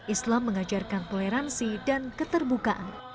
islam mengajarkan toleransi dan keterbukaan